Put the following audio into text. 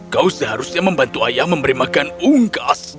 kau seharusnya membantu ayah memberi makan unggas